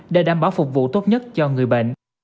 để đảm bảo phục vụ tốt nhất cho người bệnh